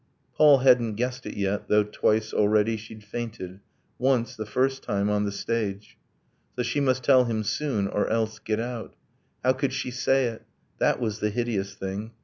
Paul hadn't guessed it yet though twice, already, She'd fainted once, the first time, on the stage. So she must tell him soon or else get out ... How could she say it? That was the hideous thing.